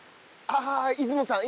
あっ出雲さん